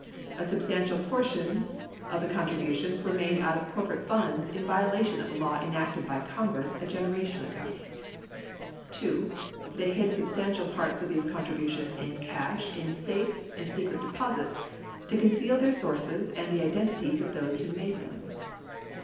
A substantial portion of the contributions were made out of corporate funds in violation of a law enacted by Congress a generation ago. 2. They hid substantial parts of these contributions in cash in safes and secret deposits to conceal their sources and the identities of those who had made them.